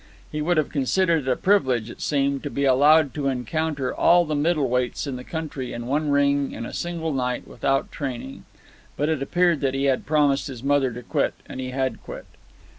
He would have considered it a privilege, it seemed, to be allowed to encounter all the middle weights in the country in one ring in a single night without training. But it appeared that he had promised his mother to quit, and he had quit.